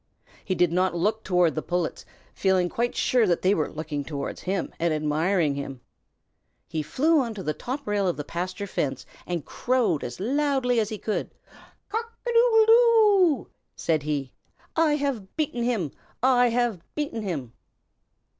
He did not look toward the Pullets, feeling quite sure that they were looking toward him and admiring him. He flew onto the top rail of the pasture fence and crowed as loudly as he could. "Cock a doodle doo!" said he. "I have beaten him! I have beaten him!"